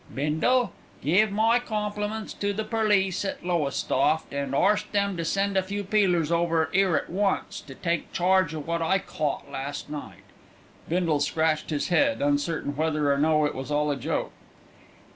Bindle, give my compliments to the perlice at Lowestoft, and arst them to send a few peelers over 'ere at once to take charge o' what I caught last night." Bindle scratched his head, uncertain whether or no it was all a joke.